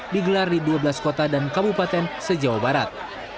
digelar di dua belas kota dan kabupaten se jawa barat